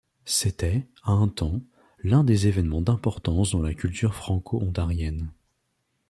C'était, à un temps, l'un des événements d'importance dans la culture franco-ontarienne.